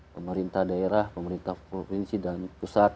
pemerintah daerah pemerintah provinsi dan pusat